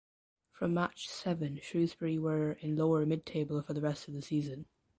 From match seven Shrewsbury were in lower midtable for the rest of the season.